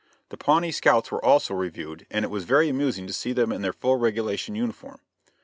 The Pawnee scouts were also reviewed and it was very amusing to see them in their full regulation uniform.